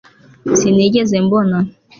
Sinigeze mbona